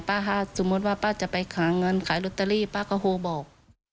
ถ้าสมมุติว่าป้าจะไปหาเงินขายลอตเตอรี่ป้าก็โทรบอก